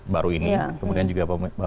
baru ini kemudian juga